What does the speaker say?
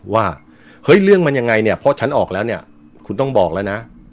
ว่าเฮ้ยเรื่องมันยังไงเนี่ยเพราะฉันออกแล้วเนี่ยคุณต้องบอกแล้วนะ